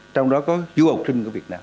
trong đó có du học sinh của việt nam